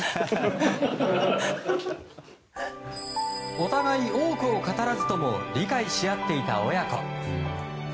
お互い、多くを語らずとも理解し合っていた親子。